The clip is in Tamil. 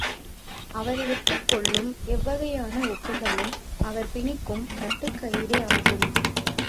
அவரிடத்துக் கொள்ளும் எவ்வகையான ஒப்பந்தமும் அவர் பிணிக்கும் கட்டுக்கயிறே ஆகும்!